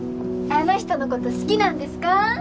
あの人のこと好きなんですか？